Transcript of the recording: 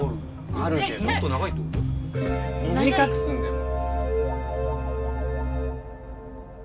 短くすんだよ。